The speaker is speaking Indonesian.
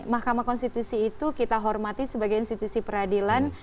mahkamah konstitusi itu kita hormati sebagai institusi peradilan